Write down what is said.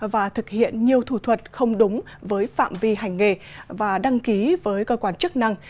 và thực hiện nhiều thủ thuật không đúng với phạm vi hành nghề và đăng ký với cơ quan chức năng